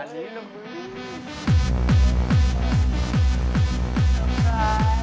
สำคัญ